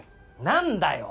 何だよ！